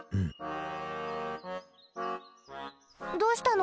どうしたの？